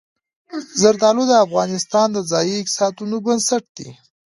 زردالو د افغانستان د ځایي اقتصادونو بنسټ دی.